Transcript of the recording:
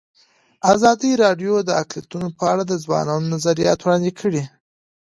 ازادي راډیو د اقلیتونه په اړه د ځوانانو نظریات وړاندې کړي.